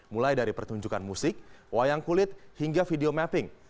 mulai dari pertunjukan musik wayang kulit hingga video mapping